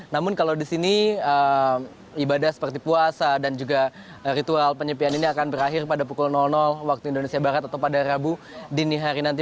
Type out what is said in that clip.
namun kalau di sini ibadah seperti puasa dan juga ritual penyepian ini akan berakhir pada pukul waktu indonesia barat atau pada rabu dini hari nanti